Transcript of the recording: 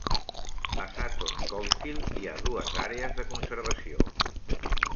A Sutton Coldfield hi ha dues àrees de conservació.